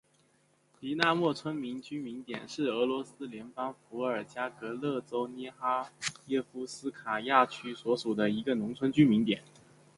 狄纳莫农村居民点是俄罗斯联邦伏尔加格勒州涅哈耶夫斯卡亚区所属的一个农村居民点。